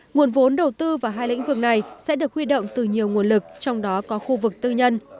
nguồn vốn đầu tư vào hai lĩnh vực này sẽ được huy động từ nhiều nguồn lực trong đó có khu vực tư nhân